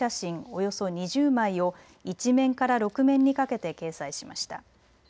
およそ２０枚を１面から６面にかけて掲載しました。